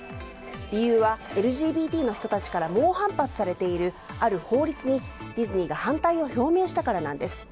理由はＬＧＢＴの人たちから猛反発されているある法律にディズニーが反対を表明したからなんです。